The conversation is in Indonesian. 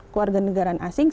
keluarga negaraan asing